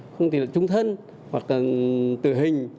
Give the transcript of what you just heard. không thì là trung thân hoặc là tử hình